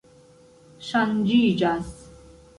ŝanĝiĝas